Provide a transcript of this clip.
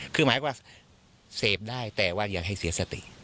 คือหมายความเสพได้แต่ว่าอย่าให้เสียสติ